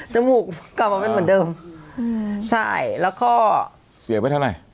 มูกกลับมาเป็นเหมือนเดิมใช่แล้วก็เสียไปเท่าไหร่